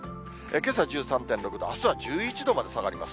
けさ１３．６度、あすは１１度まで下がります。